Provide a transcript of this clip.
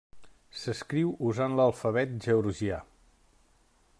S'escriu usant l'alfabet georgià.